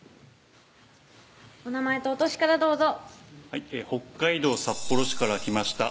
お名前とお歳からどうぞはい北海道札幌市から来ました